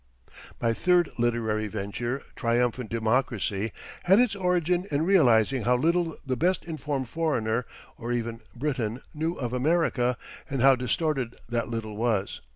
] My third literary venture, "Triumphant Democracy," had its origin in realizing how little the best informed foreigner, or even Briton, knew of America, and how distorted that little was.